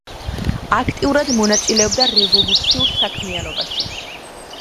აქტიურად მონაწილეობდა რევოლუციურ საქმიანობაში.